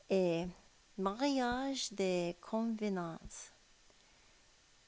A MARIAGE DK CONVENANCE.